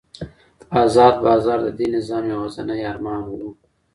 ازاد بازار د دې نظام یوازینی ارمان و.